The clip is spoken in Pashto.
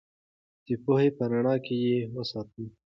د پوهې په رڼا کې یې وساتو.